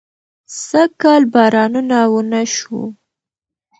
سږکال بارانونه ونه شو